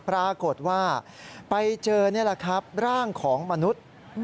ปรากฏว่าไปเจอนี่แหละครับร่างของมนุษย์